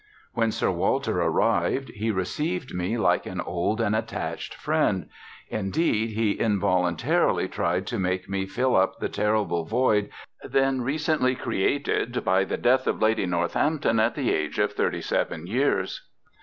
When Sir Walter arrived, he received me like an old and attached friend; indeed, he involuntarily tried to make me fill up the terrible void then recently created by the death of Lady Northampton at the age of thirty seven years.